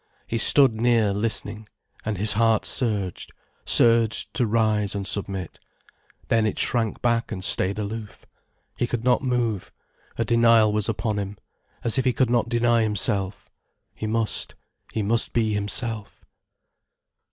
He stood near, listening, and his heart surged, surged to rise and submit. Then it shrank back and stayed aloof. He could not move, a denial was upon him, as if he could not deny himself. He must, he must be himself.